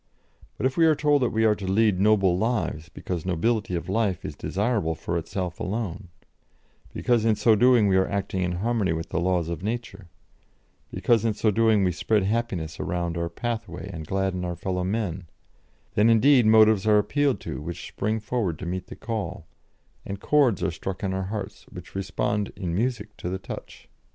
But if we are told that we are to lead noble lives, because nobility of life is desirable for itself alone, because in so doing we are acting in harmony with the laws of Nature, because in so doing we spread happiness around our pathway and gladden our fellow men then, indeed, motives are appealed to which spring forward to meet the call, and chords are struck in our hearts which respond in music to the touch."